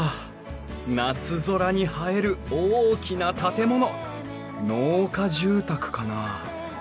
夏空に映える大きな建物農家住宅かな？